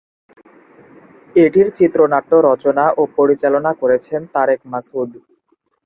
এটির চিত্রনাট্য রচনা এবং পরিচালনা করেছেন তারেক মাসুদ।